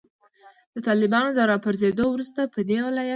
د طالبانو د راپرزیدو وروسته پدې ولایت کې